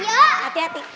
bisa gak berbunyi